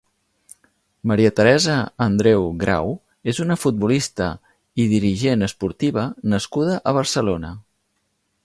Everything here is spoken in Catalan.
Maria Teresa Andreu Grau és una futbolista i dirigent esportiva nascuda a Barcelona.